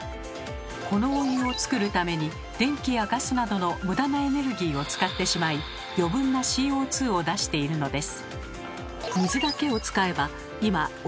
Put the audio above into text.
このお湯を作るために電気やガスなどの無駄なエネルギーを使ってしまい余分なＣＯを出しているのです。